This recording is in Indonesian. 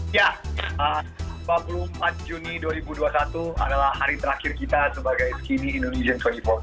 ya dua puluh empat juni dua ribu dua puluh satu adalah hari terakhir kita sebagai skinny indonesian dua puluh empat